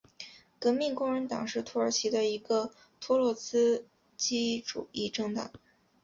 革命工人党是土耳其的一个托洛茨基主义政党。